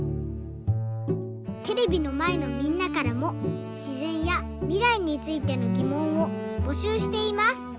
テレビのまえのみんなからもしぜんやみらいについてのぎもんをぼしゅうしています。